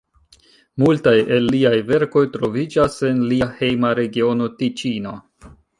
Multaj el liaj verkoj troviĝas en lia hejma regiono, Tiĉino.